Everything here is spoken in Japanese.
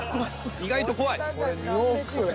意外と怖い。